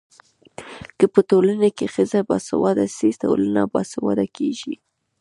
که په ټولنه کي ښځه باسواده سي ټولنه باسواده کيږي.